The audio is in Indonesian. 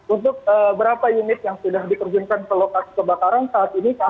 untuk berapa unit yang sudah diterjunkan ke lokasi kebakaran saat ini